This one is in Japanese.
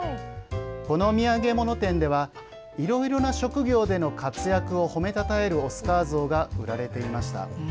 この土産物店ではいろいろな職業の活躍を褒めたたえるオスカー像が売られていました。